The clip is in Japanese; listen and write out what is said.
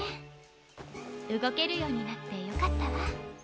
うごけるようになってよかったわ。